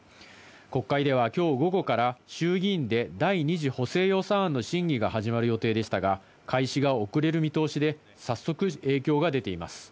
国会では今日午後から衆議院で第二次補正予算案の審議が始まる予定でしたが開始が遅れる見通しで、早速、影響が出ています。